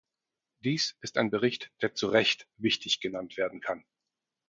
Dies ist ein Bericht, der zu Recht wichtig genannt werden kann.